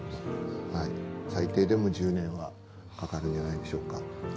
はい最低でも１０年はかかるんじゃないでしょうか